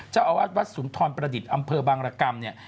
เจ้าอาวาสวัดสุนทรประดิษฐ์อำเภอบางรกรรมเนี่ย